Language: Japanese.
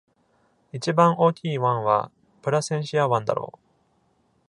一番大きい湾はプラセンシア湾だろう。